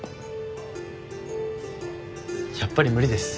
やっぱり無理です。